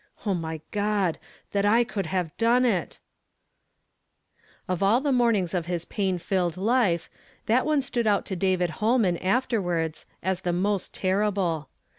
O my God ! that I could have done it !" Of all the mornings of his pained filled life that one stood out to David Holman afterwards as the most terrible.